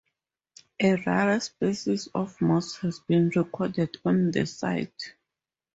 A rare species of moss has been recorded on the site.